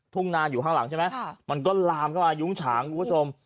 ทุ่งนานอยู่ข้างหลังใช่ไหมมันก็ลามเข้ามายุ้งฉางคุณผู้ชม